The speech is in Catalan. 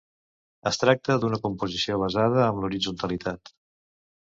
Es tracta d'una composició basada amb l'horitzontalitat.